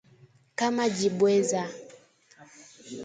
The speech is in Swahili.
kama jibweza